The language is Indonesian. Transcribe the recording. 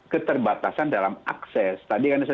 keterbatasan dalam akses tadi kan saya